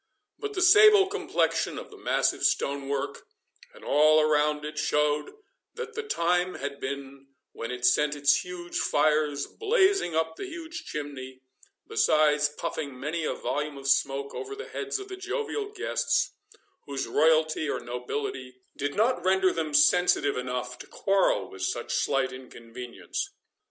But the sable complexion of the massive stone work, and all around it, showed that the time had been when it sent its huge fires blazing up the huge chimney, besides puffing many a volume of smoke over the heads of the jovial guests, whose royalty or nobility did not render them sensitive enough to quarrel with such slight inconvenience.